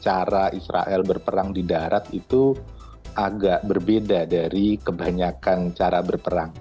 cara israel berperang di darat itu agak berbeda dari kebanyakan cara berperang